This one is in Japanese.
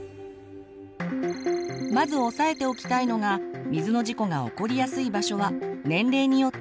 まず押さえておきたいのが水の事故が起こりやすい場所は年齢によって違うということ。